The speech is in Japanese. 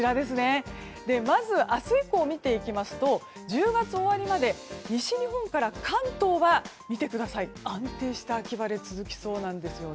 まず、明日以降を見ていきますと１０月終わりまで西日本から関東は安定した秋晴れが続きそうなんです。